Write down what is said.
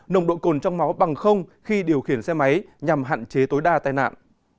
nồng độ cồn trong máu bằng không khi điều khiển xe máy nhằm hạn chế tối đa tai nạn